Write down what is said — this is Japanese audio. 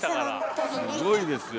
すごいですよ。